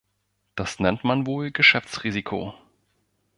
Das nennt man wohl Geschäftsrisiko.